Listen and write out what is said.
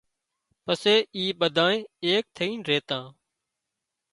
پسي اِي ٻڌائي ايڪ ٿئينَ ريتا